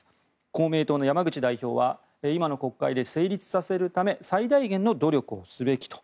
公明党の山口代表は今の国会で成立させるため最大限の努力をすべきと。